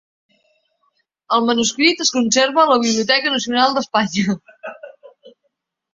El manuscrit es conserva a la Biblioteca Nacional d'Espanya.